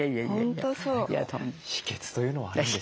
秘けつというのはあるんですか？